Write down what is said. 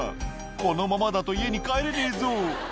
「このままだと家に帰れねえぞ」